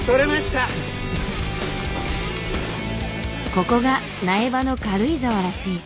ここが苗場の軽井沢らしい。